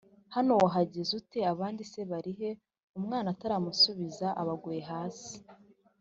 Hano wahageze ute Abandi se bari he Umwana ataramusubiza aba aguye hasi